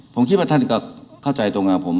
ผมคิดว่าท่านก็เข้าใจตรงกับผม